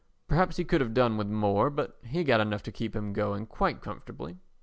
Perhaps he could have done with more, but he got enough to keep him going quite comfortably.